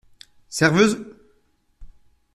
Serveuse !